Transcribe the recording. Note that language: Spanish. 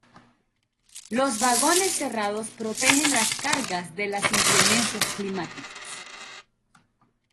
Los vagones cerrados protegen las cargas de las inclemencias climáticas.